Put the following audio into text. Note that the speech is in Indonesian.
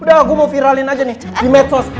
udah gue mau viralin aja nih di medsos